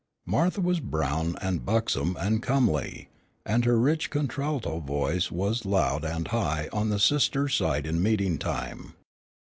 Martha was brown and buxom and comely, and her rich contralto voice was loud and high on the sisters' side in meeting time.